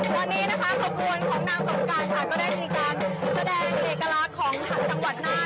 วันนี้นะคะขบวนของนางสงการค่ะก็ได้มีการแสดงเอกลักษณ์ของทางจังหวัดน่าน